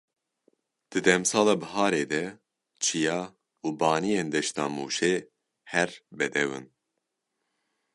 Di demsala biharê de çiya û baniyên deşta Mûşê her bedew in.